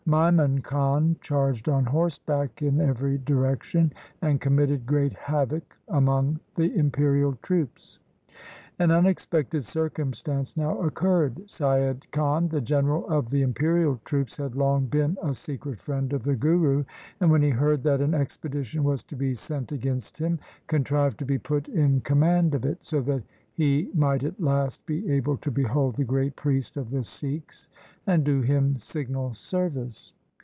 Maimun Khan charged on horseback in every direction and committed great havoc among the imperial troops. An unexpected circumstance now occurred. Saiyad Khan, the general of the imperial troops, had long been a secret friend of the Guru, and when he heard that an expedition was to be sent against him, con trived to be put in command of it, so that he might at last be able to behold the great priest of the Sikhs, and do him signal service.